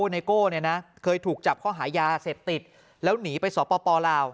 ไนโก้เนี่ยนะเคยถูกจับข้อหายาเสพติดแล้วหนีไปสปลาว